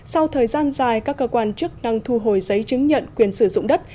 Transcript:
sau thời gian dài các cơ quan chức năng thu hồi giấy chứng nhận quyền sử dụng đất